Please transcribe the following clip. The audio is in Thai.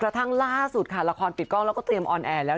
ทั้งล่าสุดค่ะละครปิดกล้องแล้วก็เตรียมออนแอร์แล้ว